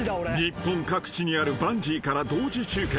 ［日本各地にあるバンジーから同時中継。